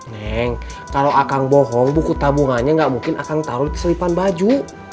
neng kalau akang bohong buku tabungannya nggak mungkin akan taruh di selipan baju